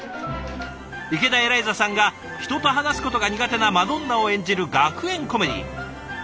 池田エライザさんが人と話すことが苦手なマドンナを演じる学園コメディー。